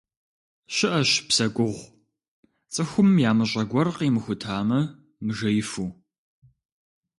Щыӏэщ псэ гугъу, цӏыхум ямыщӏэ гуэр къимыхутамэ, мыжеифу.